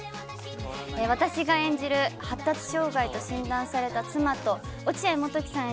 私が演じる発達障害と診断された妻と落合モトキさん